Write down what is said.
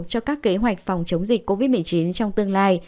cho các kế hoạch phòng chống dịch covid một mươi chín trong tương lai